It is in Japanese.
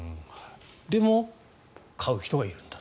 でも買う人がいるんだと。